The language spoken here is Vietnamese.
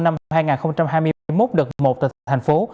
năm hai nghìn hai mươi một đợt một tại thành phố